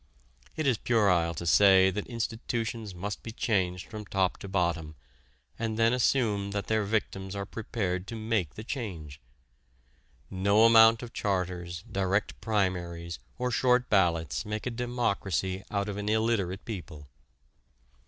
It is puerile to say that institutions must be changed from top to bottom and then assume that their victims are prepared to make the change. No amount of charters, direct primaries, or short ballots make a democracy out of an illiterate people.